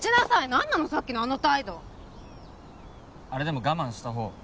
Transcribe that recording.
何なのさっきのあの態度あれでも我慢した方